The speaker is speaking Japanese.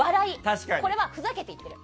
これはふざけて言っている。